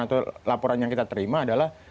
atau laporan yang kita terima adalah